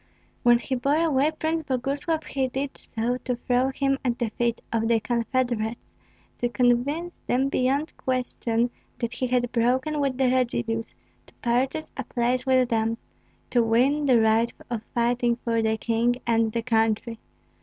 When he bore away Prince Boguslav, he did so to throw him at the feet of the confederate's, to convince them beyond question that he had broken with the Radzivills, to purchase a place with them, to win the right of fighting for the king and the country.